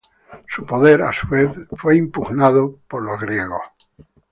Su poder, a su vez, fue impugnado por los griegos.